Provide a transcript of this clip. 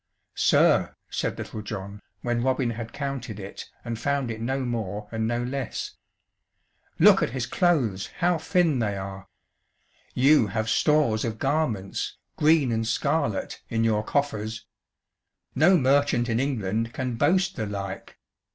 "Sir," said Little John, when Robin had counted it and found it no more and no less, "look at his clothes, how thin they are! You have stores of garments, green and scarlet, in your coffers no merchant in England can boast the like.